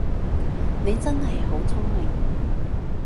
你真係好聰明